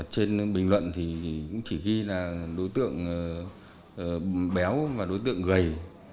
trên bình luận thì cũng chỉ ghi là đối tượng béo và đối tượng gầy